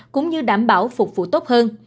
cũng như đảm bảo phục vụ tốt hơn